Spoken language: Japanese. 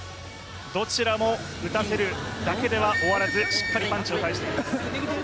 どちらも打たせるだけでは終わらずしっかりパンチを返しています。